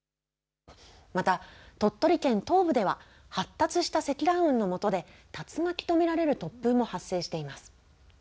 また、鳥取県東部では、発達した積乱雲の下で、竜巻と見られる突風も発生しています。